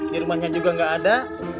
di rumahnya juga nggak ada